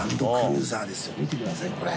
見てくださいこれ。